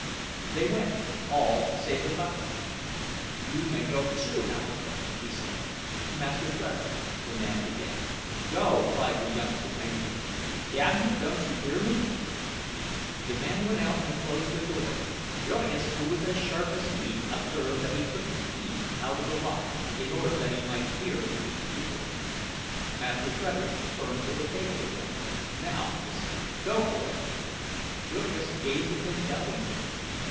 They went, all save the butler. "You may go too, Hamilton," he said. "Master Frederick—" the man began. "Go!" cried the youngster, angrily. "Damn you, don't you hear me?" The man went out and closed the door; Jurgis, who was as sharp as he, observed that he took the key out of the lock, in order that he might peer through the keyhole. Master Frederick turned to the table again. "Now," he said, "go for it." Jurgis gazed at him doubtingly.